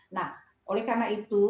nah oleh karena itu